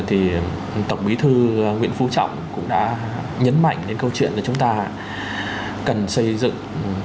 thì tổng bí thư nguyễn phú trọng cũng đã nhấn mạnh đến câu chuyện là chúng ta cần xây dựng